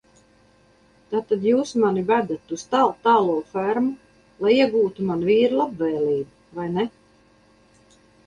Tātad Jūs mani vedat uz Tāltālo Fermu, lai iegūtu mana vīra labvēlību, vai ne?